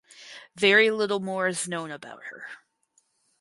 Very little more is known about her.